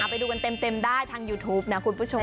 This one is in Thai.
ไปดูกันเต็มได้ทางยูทูปนะคุณผู้ชม